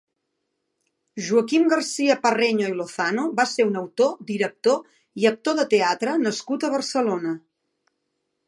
Joaquim García-Parreño i Lozano va ser un autor, director i actor de teatre nascut a Barcelona.